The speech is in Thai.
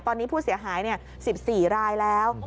ตอนนี้ผู้เสียหาย๑๔รายแล้ว